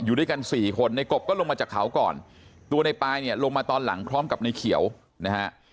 อยู่ด้วยกันสี่คนในกบก็ลงมาจากเขาก่อนตัวในปายเนี่ยลงมาตอนหลังพร้อมกับในเขียวนะฮะ